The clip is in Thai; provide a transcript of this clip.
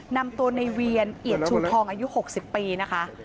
นำตัวในเวียนเอียดชูทองอายุ๖๐ปีนะคะ